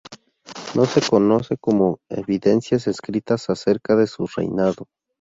No se conoce evidencias escritas acerca de su reinado.